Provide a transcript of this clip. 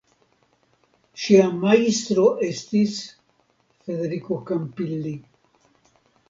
Ŝia majstro estis Federico Campilli.